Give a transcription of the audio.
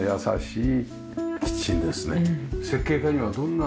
設計家にはどんな？